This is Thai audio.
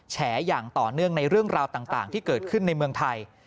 แฉอย่างต่อเนื่องในเรื่องราวต่างที่เกิดขึ้นในเมืองไทย